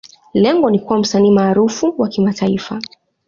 Lengo ni kuwa msanii maarufu wa kimataifa.